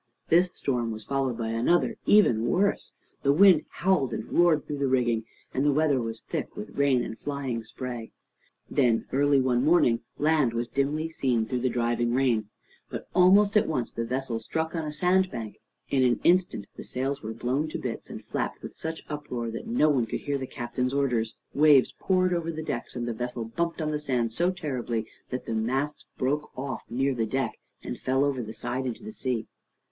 This storm was followed by another, even worse. The wind howled and roared through the rigging, and the weather was thick with rain and flying spray. Then early one morning land was dimly seen through the driving rain, but almost at once the vessel struck on a sand bank. In an instant the sails were blown to bits, and flapped with such uproar that no one could hear the Captain's orders. Waves poured over the decks, and the vessel bumped on the sand so terribly that the masts broke off near the deck, and fell over the side into the sea.